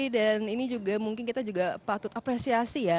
dan ini juga mungkin kita juga patut apresiasi ya